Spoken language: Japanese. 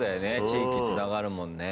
地域つながるもんね。